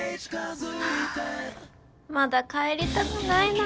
はぁまだ帰りたくないな。